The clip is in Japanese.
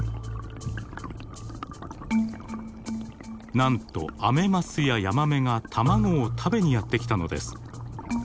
なんとアメマスやヤマメが卵を食べにやってきたのです。